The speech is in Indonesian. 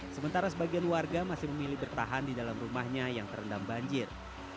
sementara sebagian warga masih memilih bertahan di dalam rumahnya yang terendam banjir